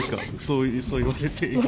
そう言われて今。